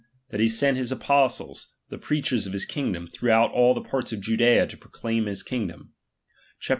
that he sent his apostles, ^H the preachers of his kingdom, throughout all the ^H parts of Judea to proclaim his kingdom : chap, xi.